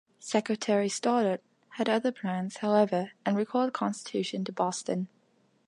Secretary Stoddert had other plans, however, and recalled "Constitution" to Boston.